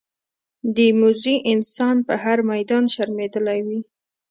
موزي انسان په هر میدان شرمېدلی وي.